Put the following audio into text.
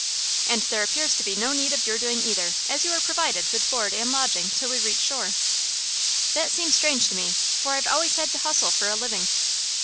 "And there appears to be no need of your doing either, as you are provided with board and lodging till we reach shore." "That seems strange to me, for I've always had to hustle for a living."